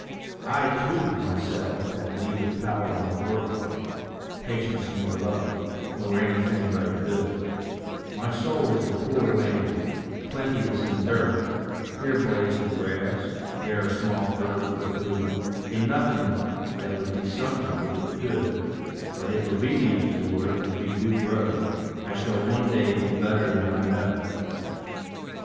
I TO myself have neither power nor worth, Patience nor love, nor anything right good; My soul is a poor land, plenteous in dearth Here blades of grass, there a small herb for food A nothing that would be something if it could; But if obedience, Lord, in me do grow, I shall one day be better than I know.